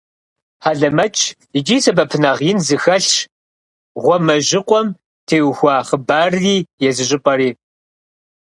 Хьэлэмэтщ икӀи сэбэпынагъ ин зыхэлъщ «Гъуамэжьыкъуэм» теухуа хъыбарри езы щӀыпӀэри.